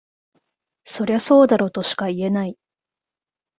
そりゃそうだろとしか言えない